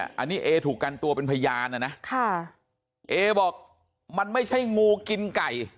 อันนี้เอถูกกันตัวเป็นพยานนะนะค่ะเอบอกมันไม่ใช่งูกินไก่